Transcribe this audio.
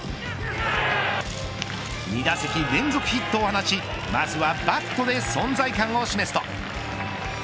２打席連続ヒットを放ちまずはバットで存在感を示すと。